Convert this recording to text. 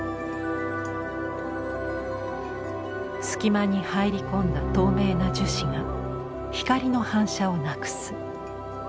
すき間に入り込んだ透明な樹脂が光の反射をなくす。